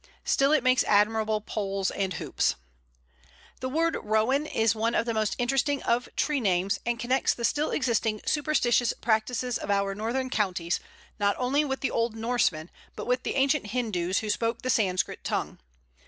Still, it makes admirable poles and hoops. The word Rowan is one of the most interesting of tree names, and connects the still existing superstitious practices of our northern counties, not only with the old Norsemen, but with the ancient Hindus who spoke the Sanskrit tongue.